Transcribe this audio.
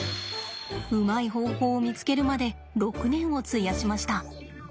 うまい方法を見つけるまで６年を費やしました。